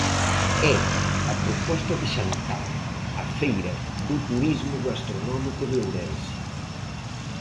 É a proposta de Xantar, a feira do turismo gastronómico de Ourense.